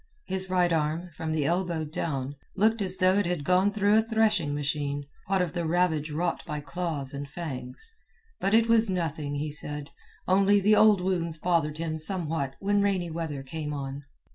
His right arm, from the elbow down, looked as though it had gone through a threshing machine, what of the ravage wrought by claws and fangs. But it was nothing, he said, only the old wounds bothered him somewhat when rainy weather came on.